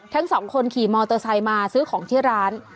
ทั้งสองคนขี่มอเตอร์ไซค์มาซื้อของที่ร้าน